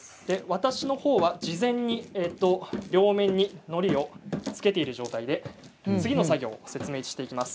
私のほうは事前に両面にのりを付けている状態で次の作業を説明していきます。